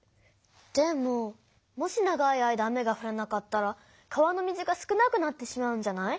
でももし長い間雨がふらなかったら川の水が少なくなってしまうんじゃない？